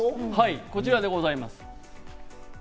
こちらでございます。